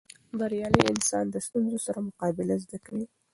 بریالی انسان د ستونزو سره مقابله زده کوي.